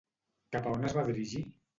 Cap a on es va dirigir?